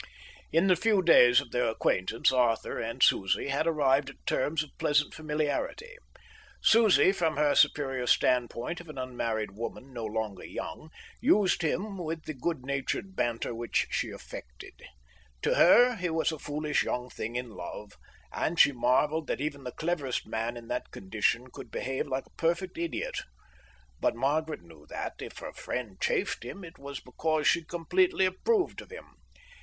In the few days of their acquaintance Arthur and Susie had arrived at terms of pleasant familiarity. Susie, from her superior standpoint of an unmarried woman no longer young, used him with the good natured banter which she affected. To her, he was a foolish young thing in love, and she marvelled that even the cleverest man in that condition could behave like a perfect idiot. But Margaret knew that, if her friend chaffed him, it was because she completely approved of him.